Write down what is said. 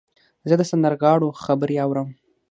زه د سندرغاړو خبرې اورم.